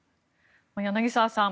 柳澤さん